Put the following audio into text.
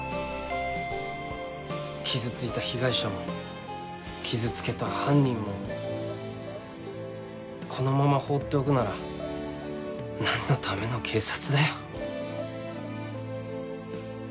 傷ついた被害者も傷つけた犯人もこのまま放っておくなら何のための警察だよ。